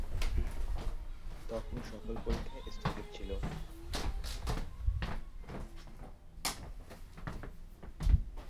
তখন সকল পরীক্ষা স্থগিত ছিল।